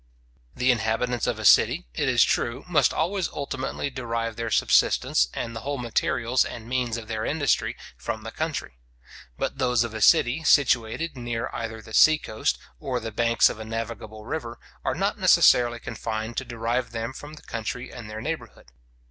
The inhabitants of a city, it is true, must always ultimately derive their subsistence, and the whole materials and means of their industry, from the country. But those of a city, situated near either the sea coast or the banks of a navigable river, are not necessarily confined to derive them from the country in their neighbourhood.